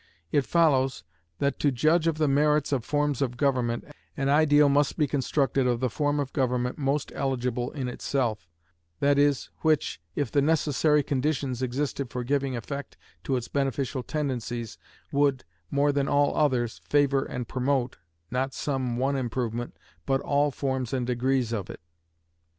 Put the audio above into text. It follows, that to judge of the merits of forms of government, an ideal must be constructed of the form of government most eligible in itself, that is, which, if the necessary conditions existed for giving effect to its beneficial tendencies, would, more than all others, favor and promote, not some one improvement, but all forms and degrees of it.